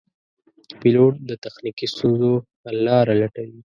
پیلوټ د تخنیکي ستونزو حل لاره لټوي.